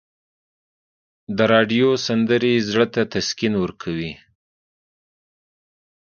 د راډیو سندرې زړه ته تسکین ورکوي.